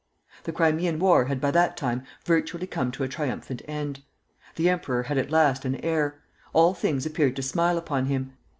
The Crimean War had by that time virtually come to a triumphant end. The emperor had at last an heir; all things appeared to smile upon him.